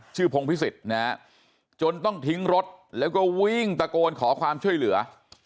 พงพิสิทธิ์นะฮะจนต้องทิ้งรถแล้วก็วิ่งตะโกนขอความช่วยเหลือ